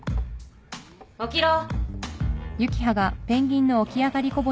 起きろ！